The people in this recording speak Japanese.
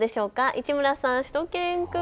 市村さん、しゅと犬くん。